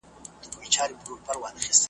خلک بیا حیران شول